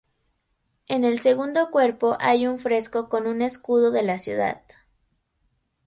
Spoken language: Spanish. En el segundo cuerpo hay un fresco con un escudo de la ciudad.